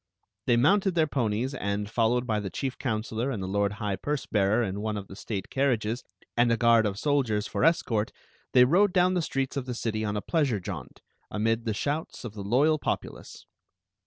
They mounted their ponies, and, followed by the chief counselor and the lord high purse bearer in one of the state carriages, and a guard of soldiers for escort, they rode down the streets of the city on a pleasure jaunt, amid the shouts of the loyal populace.